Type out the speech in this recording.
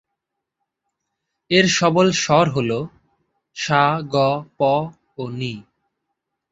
এর সবল স্বর হ'ল- সা, গ, প ও নি।